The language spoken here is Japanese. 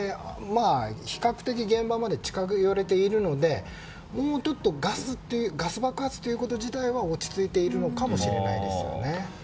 比較的現場まで近づけているのでガス爆発ということ自体は落ち着いているのかもしれないですよね。